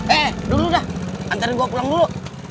eh dulu dah antarin gue pulang dulu